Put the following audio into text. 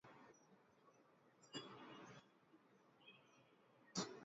দুই বছরের মধ্যে মিডলসেক্স বিশ্ববিদ্যালয় আর্থিক সঙ্কটে পড়ে।